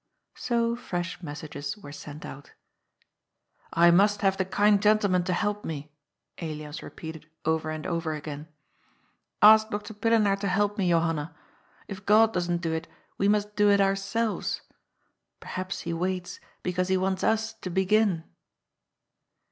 So fresh messages were sent out. '^ I must have the kind gentleman to help me," Elias re peated over and over again. Ask Doctor Pillenaar to help me, Johanna. If Ood doesn't do it, we must do it our selves. Perhaps he waits, because he wants us to begin."